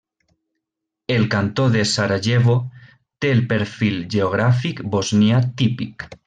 El Cantó de Sarajevo té el perfil geogràfic bosnià típic.